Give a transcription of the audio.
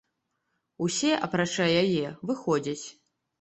Усе, апрача яе, выходзяць.